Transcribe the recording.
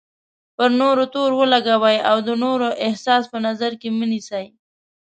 پر نورو تور ولګوئ او د نورو احساس په نظر کې مه نیسئ.